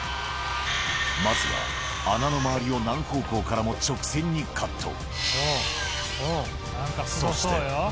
まずは穴の周りを何方向からも直線にカット。